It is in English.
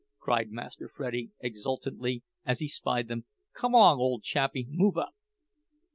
cried Master Freddie, exultantly, as he spied them. "Come 'long, ole chappie, move up."